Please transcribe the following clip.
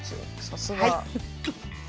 さすが！